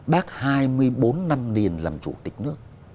bác hai mươi bốn năm liền làm chủ tịch nước